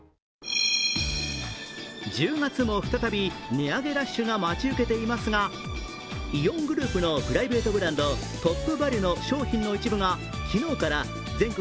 １０月も再び値上げラッシュが待ち受けていますがイオングループのプライベートブランドトップバリュの商品の一部が昨日から全国